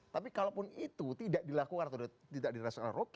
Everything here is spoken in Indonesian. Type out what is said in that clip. tapi kalau itu tidak dilakukan atau tidak dirasakan roky